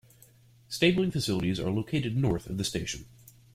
Stabling facilities are located north of the station.